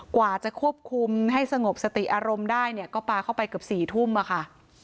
กว่าจะควบคุมให้สงบสติอารมณ์ได้เนี่ยก็ปลาเข้าไปเกือบ๔ทุ่มอะค่ะ